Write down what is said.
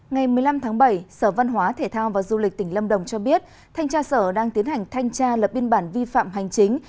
ngày một mươi năm tháng bảy sở văn hóa thể thao và du lịch tỉnh lâm đồng cho biết thanh tra sở đang tiến hành thanh tra lập biên bản vi phạm hành chính